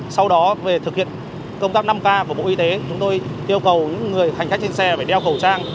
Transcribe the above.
sau đó về thực hiện công tác năm k của bộ y tế chúng tôi yêu cầu những người hành khách trên xe phải đeo khẩu trang